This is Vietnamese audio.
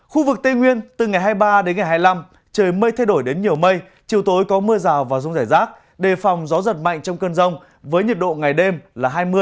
khu vực tây nguyên từ ngày hai mươi ba đến ngày hai mươi năm trời mây thay đổi đến nhiều mây chiều tối có mưa rào và rông rải rác đề phòng gió giật mạnh trong cơn rông với nhiệt độ ngày đêm là hai mươi ba mươi